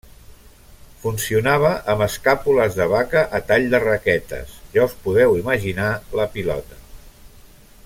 Funcionava amb escàpules de vaca a tall de raquetes, ja us podeu imaginar la pilota.